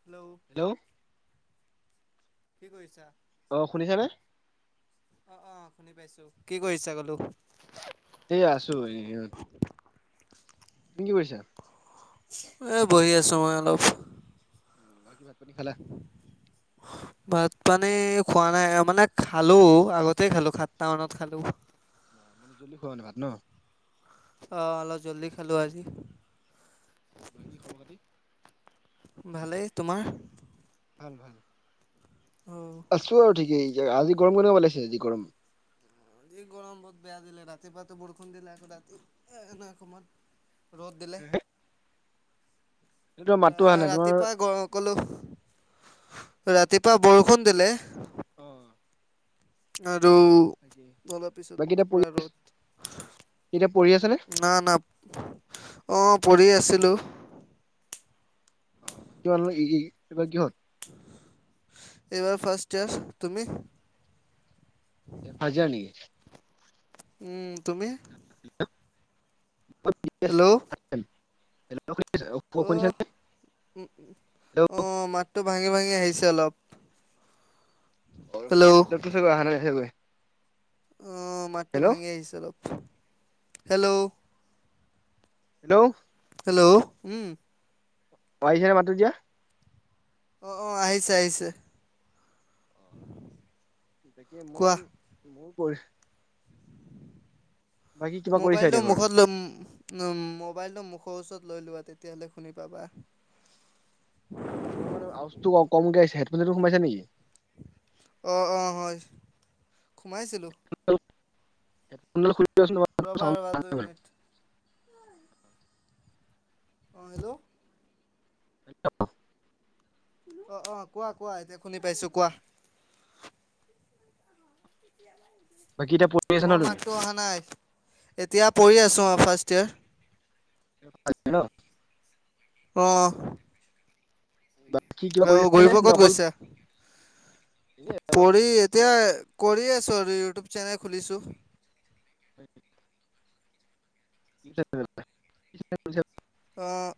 Hello. Hello কি কৰিছা। অ শুনিছা নে। অ', অ', শুনি পাইছোঁ কি কৰিছা ক'লো। এই আছো ইত তুমি কি কৰিছা। এ বহি আছো মই অলপ। অ বাকী ভাত পানী খালা? ভাত-পানী খোৱা নাই, মানে খালোঁ। আগতে খালোঁ। সাতটা মানত খালোঁ। মানে জল্দি খোৱা নে ভাত ন'? অ' অলপ জল্দি খালোঁ আজি। বাকী খবৰ খাতি ভালেই। তোমাৰ? ভাল - ভাল। অ'। আছোঁ আৰু ঠিকে। য়াৰ আজি গৰম কেনেকা পেলাইছে যি গৰম এই গৰম বহুত বেয়া দিলে। ৰাতিপুৱাতো বৰষুণ দিলে, আকৌ ৰাতি এনে সময়ত ৰ'দ দিলে তোমাৰ মাতটো অহা নাই তোমাৰ ৰাতিপুৱাই গ- ক'লো ৰাতিপুৱা বৰষুণ দিলে। অ'। আৰু তাকেই। অলাৰ পিছত বাকী এতিয়া পঢ়ি পূৰা এতিয়া পঢ়ি আছা নে? ৰ'দ না না অ পঢ়ি আছিলো। অ ক কিব কিহত। টোৱেল ফাৰ্ষ্ট ইয়াৰছ, তুমি? এ ফাৰ্জ ইয়াৰ নেকি? উম, তুমি? হেল্ল' [unintelligible] অ'- হেল্ল' অ' মাউচটো ভাঙি - ভাঙি আহিছে অলপ। অ' ৰখিব, হেল্ল' নেটৱৰ্কটো চাগৈ অহা নাই সেগৈ অ' মাতটো ভাঙি আহিছে অলপ। হেল্ল'? হেল্ল'? হেল্ল'? উম। পাইছা নে মাতটো এতিয়া? অ' - অ', আহিছে - আহিছে। তাকে মই কোৱা মোৰ [unintelligible] কৰিছা মোবাইলটো এতিয়া ঘৰত? মুখত লৈ উম মো বাইলটো মুখৰ ওচৰত লৈ লোৱা। তেতিয়াহলে শুনি পাবা। অ' তোমাৰ মানে আৱাজটো ক- কমকে আহিছে। হেডফোন-চেডো সোমাইছা নেকি? অ' - অ' হয়, সোমাইছিলোঁ। হেডফোনডাল খুলি ৰ'বা ৰ'বা দুই লোৱাচোন মিনিট [unintelligible] [unintelligible] [inaudible] অ' হেল্ল'? হেল্ল'? অ' - অ' কোৱা - কোৱা। এতিয়া শুনি পাইছোঁ, কোৱা। তিয়া বাকী এতিয়া ন পঢ়ি আছা ন তোমাৰ তুমি? মাতটো অহা নাই। এতিয়া পঢ়ি আছোঁ অ' ফাৰ্ষ্ট ইয়াৰ। [unintelligible] ন'? অ'। বাকী কিবা কৰি অ' আছা ঘুৰিব নে ক'ত নে অকল গৈছা? এনে অলপ পঢ়ি এতিয়া কৰি আছোঁ, ইউটিউব চেনেল খুলিছোঁ। [unintelligible] [inaudible] অ'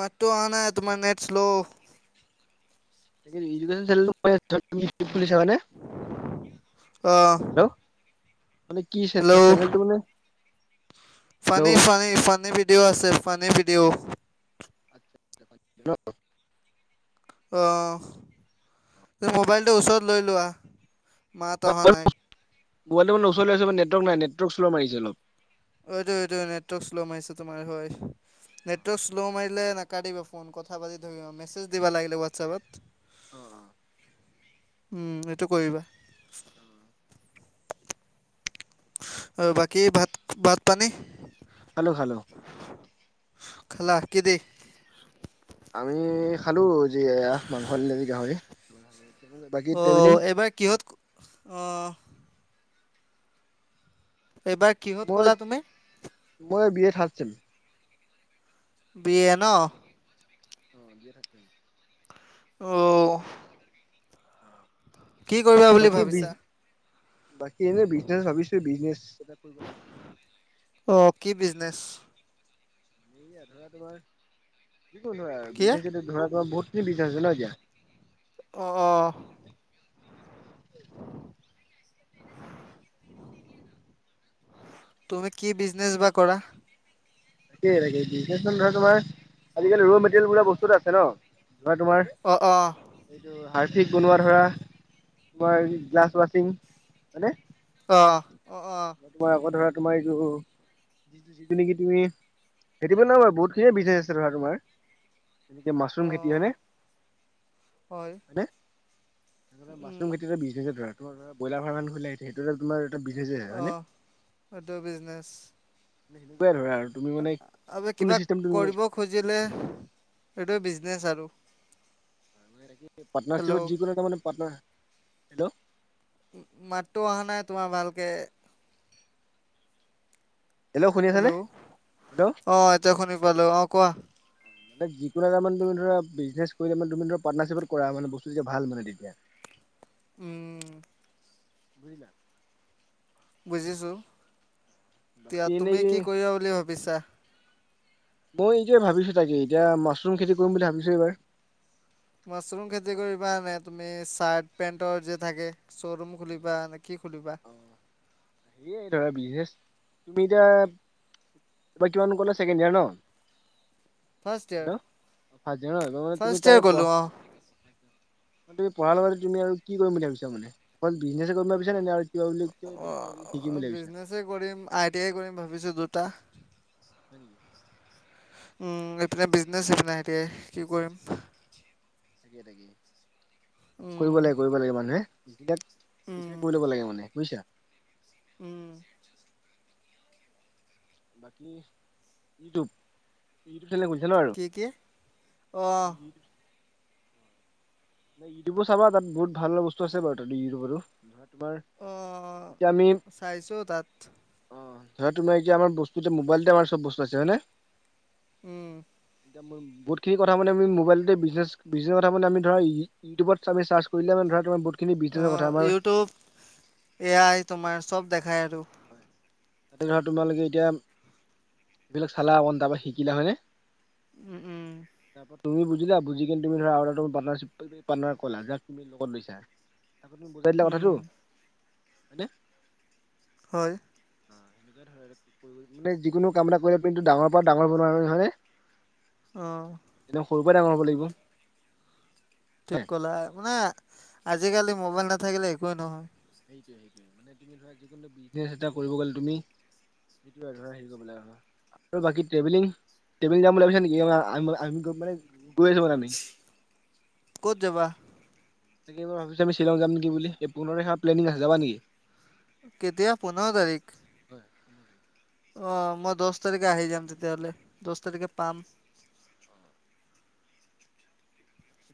মাতটো অহা নাই। তোমাৰ নেট স্লো। [unintelligible] এডুকেশ্বন চে [unintelligible] খুলি চালা নে? অ' হেল্ল'? মানে কি চে- চেনেলটো মানে funny hello - funny - funny video অ আছে, ফানি ভিডিঅ'। হেল্ল অ মোবাইলটো ওচৰত লৈ লোৱা। মাত অহা নাই মোবাইলটো মান ওচত লৈ আছো নেটৱৰ্ক নাই নেটৱৰ্ক শ্ল মাৰিছে অলপ অ এইটো এইটো নেটৱৰ্ক স্ল' মাইছে তোমাৰ হয় নেটৱৰ্ক অ শ্ল' মাৰিলে নাকাটিবা ফোন কথা পাতি ধৰিব মেছেজ দিবা লাগিলে হোৱাটছএপত অ [unintelligible] উম এইটো কৰিবা অ বাকী ভাত ভাত পানী খালো খালো খালা কিদি? আমি খালো যি মাংস নিলাজি গাহৰি বাকী অহ ট্ৰেভেলিং এইবাৰ কিহত অহ এইবাৰ কিহত মই ক'লা তুমি? মই B A third sem. B A ন'? অ' বি এ থাৰ্ড ছেম। অ কি কৰিবা বুলি বাকী বিজ ভাবিছা বাকী এনে বিজনেছ ভাবিছো বিজনেছ এটা কৰিব লাগিছিল বুলি অ কি বিজনেছ য়া ধৰা তোমাৰ কি কোন কি অ' ধৰাজিই ধৰা তোমাৰ বহুত কি বিচাৰিছে ন এতিয়া অহ অহ [unintelligible] তুমি কি বিজনেচ বা কৰা তাকেই তাকে বিজনেছ মানে ধৰা তোমাৰ আজিকালি ল মেটেৰিয়েল বোলা বস্তু এটা আছে ন বা তোমাৰ অ' অ' হাৰফিক বনোৱা ধৰা তোমাৰ গ্লাছ ৱাছিং হয়নে অ অ' অ' মই তোমাৰ আকৌ ধৰা তোমাৰ এইযোৰ যিটো নেকি তুমি সেইটো পে ন বাৰু বহুতখিনিয়ে বিজনেচ আছে ধৰা তোমাৰ তেনেকে মাছৰুম খেতি অ' হয়নে হয় হয়নে উম, মাছৰুম খেতিটো বিজনেছে ধৰা ব্ৰইলাৰ ফাৰ্ম এখন খুলিলে সেইটো তোমাৰ এটা বিজনেছে অ হয়নে? সেটো বিজনেছ টোৱে ধৰা আৰু তুমি মানে আৰু কোনটো কিবা চিষ্টেম তুমি কৰিব খুজিলে এইটো বিজনেচ আৰু পাটনাৰশ্বিপত হেল্ল' যিকোনো এটা মানে পাটনাৰ হেল্ল' মাতটো অহা নাই তোমাৰ ভালকে শুনি আছানে? হেল্ল' হেল্ল' অ এতিয়া শুনি পালো অ কোৱা মানে যিকোন এটা মানে তুম ধৰা বিজনেছ কৰিলে মানে তুমি ধৰা পাটনাৰশ্বিপত কৰা মানে বস্তু যেতিয়া ভাল মানে তেতিয়া উম বুজিলা বুজিছো এতিয়া বাকী তুমি এনেই কি কৰিবা বুলি ভাবিছা মই এইটোৱে ভাবিছো তাকে এতিয়া মাছৰুম খেতি কৰিম বুলি ভাবিছো এইবাৰ মাছৰুম খেতি কৰিবা এনে তুমি চাৰ্ট পেন্টৰ যে থাকে শ্ব'ৰুম খুলিবা এ অহ সেই ধৰা বিজনেছ তুমি এতিয়া কিমান ক'লো ছেকেণ্ড ইয়াৰ ন ফাৰ্ষ্ট ইয়াৰ হেল্ল' অ ফাজ মান তুমি ফাৰ্ষ্ট তাৰে ইয়াৰ পঢ গ'লো অ তুমি পঢ়া লগতে তুমি আৰু কি কৰিম বুলি ভাবিছ মানে অকল বিজনেছে কৰিম ভাবিছা নে আৰু কিবা বুলি কিবা অ বেলেগ কিবা কিবি শিকিম বুলি ভাবিছা? বিজনেছে কৰিম আই টি আই কৰিম ভাবিছো দুটা বনে উম এইপিনে বিজনেচ সিপিনে আইতি আই‌ কি কৰিম। তাক তাকে কৰিব লাগে উম কৰিব লাগে মানুহে ক উম এতিয়া কৰি ল'ব লাগে মানে বুজিছা উম বাকী ইউটিউব কি কি অ [unintelligible] নাই ইউটিউবো চাবা তাত বহুত ভাল ভাল বস্তু আছে বাৰ ত ইউটিউবৰ অ চাইছো তাত অ ধৰা তোমাৰ এতিয়া আমাৰ বস্তু এ মোবাইলতে আমাৰ চব বস্তু আছে হয় নে। উম এতি বহুতখিনি কথা মানে আমি মোবাইলতেজছ বিজনেছ কথা মানে আমি ধৰা ই ইউটিবত আমি চাৰ্চ কৰিলে মানে ধৰা তোমাৰ বহুতখিনি অ বিজনেছৰ কথা আমাৰ ইউটিউব এ আই তোমাৰ চব দেখায় আৰু হয় তাতে ধৰা তোমালোকে এতিয়া এইবিলাক চালা অকণ তাৰ পৰা শিকিলা হয়নে উম উম তাৰপৰা তুমি বুজিলা বুজি কিনে তুমি ধৰা অ পাৰ্টনাচিপৰ পাৰ্ত্নাক কলা যাক তুমি লগত লৈ আপুনি বুজাই দিলা উম কথাটো হয়নে হয় নেুৱ ধ মানে যিকোনো কাম এটা কৰিব কন্তু ডাঙৰ পৰা ডাঙৰ বনোৱা হয় নে অহঁ একদম সৰুৰ পৰা ডাঙৰ হ'ব লাগিব। ঠিক কলা মানে আজিকালি মোবাইল নাথাকিলে একোৱেই নহয়। সেইটোয়ে সেইটোয়ে মানে তুমি ধৰা যিকোনো বিজনেছ এটা কৰিব গ'লে তুমি সেইটো আৰু ধৰা হেৰি কৰিব লাগ আৰু আৰু বাকী ট্ৰেভেলিং ট্ৰেভেলিং যাম বুলি ভাবিছা নেকি মানে গৈ আছো মানে আমি। ক'ত যাবা? তাকে এইবাৰ ভাবিছো আমি শ্বিলং যাম নেকি বুলি পোন্ধৰ তাৰিখে প্লেনিং আছে যাবা নেকি? কেতিয়া পোন্ধৰ তাৰিখ [unintelligible] অ মই দহ তাৰিখে আহি যাম তেতিয়াহ'লে দহ তাৰিখে পাম অ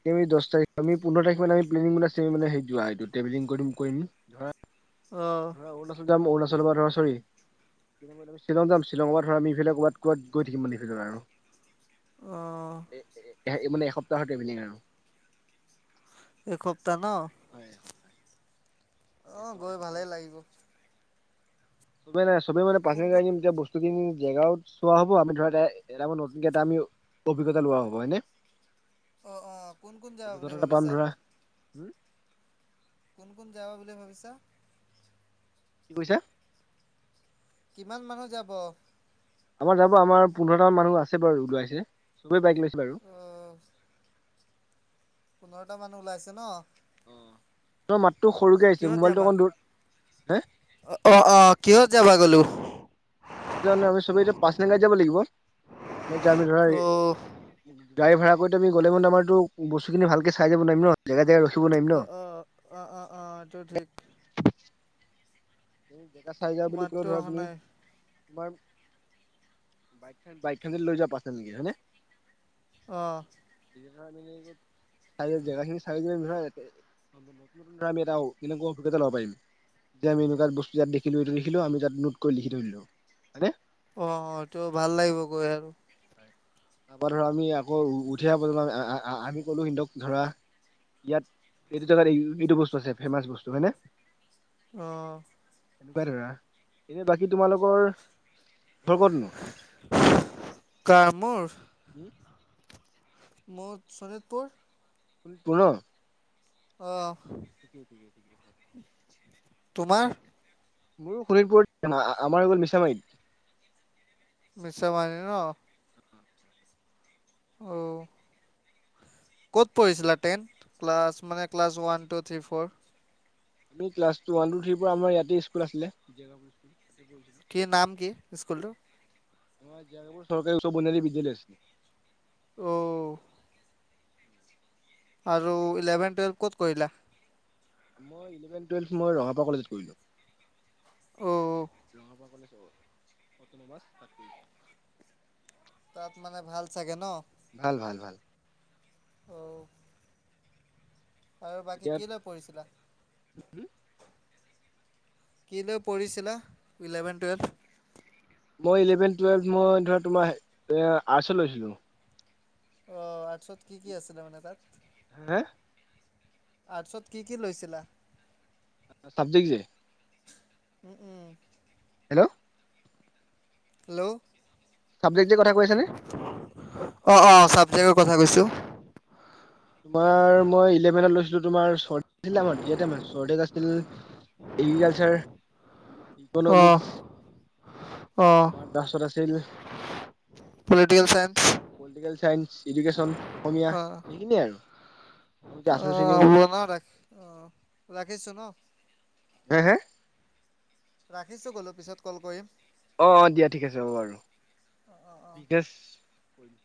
তি আমি দহ তাৰিখ আমি পোন্ধৰ তাৰিখ মানেমৃ প্লেনিংল যোৱা হয়্ৰেল কৰিম কৰিম ধৰা অঁ ধৰা অৰুণাচল যাম অৰুণাচলৰ পৰা ধৰা চৰি আমি শ্বিলং যাম শ্বিলঙৰ পৰা ধৰ আমি ইফালে ক'ৰবাত ক'বাত গৈ থাকি মানে সফালে অঁ আৰু মানে এসপ্তাহত ইভিনিং আৰু এক সপ্তাহ ন হয় অ এসপ্তাহ গৈ এসপ্তাহ ভালেই লাগিব। চবে নাই চবে মান তাত পা কোন গাই কোন দিমতিয়া বস্তু কিনি জেগাও চোৱা হ'ব আমি ধৰা এ এটা নতুনকে এটা আমি অভিজ্ঞতা লোৱা হ'ব হয়নে অঁ অঁ কোন কোন যাবা বুলি অভিজ্ঞতা এটা পাম ভাবিছা ধৰা হম কোন কোন যাবা বুলি ভাবিছা কি কৈছা কিমান মানুহ যাব? আমাৰ যাব আমাৰ পোন্ধৰটা মানুহ আছে বাৰু ওলাইছে চবে বাইক ল‌ইছে। বাৰু অঁ, পোন্ধৰটা মানুহ ওলাইছে ন। অ ত মাতটো সৰুকে আহিছে মোবাইলটো অকণ দূৰ হা অ অ কিহত যাবা গ'লো আমি চবেই এতিয়া পাচনে গাড যাব লাগিবতিয়া আমি ধৰা অঁ গাড়ী ভাড়া কৰোতে আম গলোন আমাৰো বস্ত খিনি ভালকে চাই যাব নোৱাৰিম ন জেগা জেগা ৰখিব নোৱাৰিম ন। আহ আহ আহ আহ আহ এইটো ঠিক। তুমি জেগা চাই যা বুলি কলে মাতটো ধৰা অহা তুমি। নাই তোমাৰ বাইক বাইক খান লৈ যোৱা পাছে নেকি হয়নে? অহ চাই কৰি জেগাখিন চাই কৈ। নতুন নতুন ধৰা আমি এটা এনেকোৱা অভিজ্ঞতা লব পাৰিম যে আমি এ নেকোৱাত বস্তু ইয়াত দেখিলো এইটো লিখিলো আমি তাত নোট কৰি লিখি থৈ দিলো হয় নে। অ অ এইটো ভাল লাগিব গৈ আৰু তাৰপৰা ধৰা আমি আকৌ উঠি অহা প্ৰজন্মক আ আ আমি কলো সিতক ধৰা। ইয়াত এইটো জেগাত এই এইটো বস্তু আছে ফেমাচ বস্তু হয়নে। অহ এনেকোৱাই ধৰা এনে বাকী তোমালোকৰ। ঘৰ ক'তনো? কা মোৰ উম মোৰ শোণিতপুৰ শোণিতপুৰ ন অ ঠিকেইে ঠিকেইে ঠিকে আছে। তোমাৰ মোৰো শোণিতপুৰত আমাৰ হৈ গ'ল মিছামাৰত। মিছামাৰিত ন অ ক'ত পঢ়িছিলা টেন ক্লাছ মানে class one two three four. অ ক্লাছটো ওৱান টু থ্ৰীৰ পৰা আম ইয়াতে স্কুল আছিলে। পঢ়িছিলো। কি নাম কি স্কুলটো। আম জপ চহকাৰী উৎস বনী বিদ্যালয় আছে অ আৰু ইলেভেন টুৱেলভ ক'ত কৰিলা মই এলেভেন টোৱেলভ মই ৰঙাপা কলেজত কৰিলো অ', ৰঙাপা কলেজ অতনুবাস একাডেমী। তাত মানে ভাল চাগে ন। ভাল ভাল ভাল অ আৰু বাকী এতিয়া কি লৈ পঢ়িছিলা। কি লৈ পঢ়িছিলা ইলেভেন টুৱেলভ মই ইলেভেন টুৱেলভ মই ধৰা তোমাৰ আৰ্টচত লৈছিলো। অ আৰ্টছত কি কি আছিলে মানে তাত হা আৰ্টছত কি কি লৈছিলা। চাবজেক্ট যে উম উম। হা হেল্ল' চাবজেক্ট যে কথা কৈ আছানে? অ অ চাবজেক্ট ক থা কৈছো। তোমাৰ মই ইলেভেনত লৈছিলো তোমাৰ স্বৰ্দেশ আছিলে আমাৰ যিহেতু আমাৰ স্বদেশ আছিল। এগ্ৰিকালচাৰ। ইকনমিক্স তাৰপাছত আছিল। Political science political science education অসমীয়া অ এইখিনিয়ে আৰু আচল অ শ্ৰেণী মনত ৰাখ অ ৰাখিছো ন। হে হে ৰাখিছো কলো পিছত কল কৰিম অ অ দিয়া ঠিক আছে হ'ব বাৰু কৰি